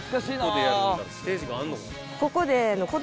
ここで。